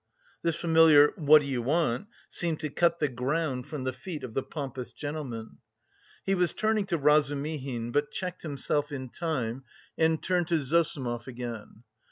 This familiar "what do you want" seemed to cut the ground from the feet of the pompous gentleman. He was turning to Razumihin, but checked himself in time and turned to Zossimov again.